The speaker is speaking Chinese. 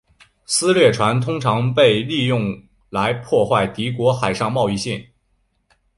私掠船通常被利用来破坏敌国的海上贸易线。